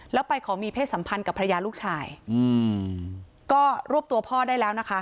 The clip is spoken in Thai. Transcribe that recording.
แล้วไปขอมีเพศสัมพันธ์กับภรรยาลูกชายอืมก็รวบตัวพ่อได้แล้วนะคะ